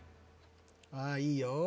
あいいよ。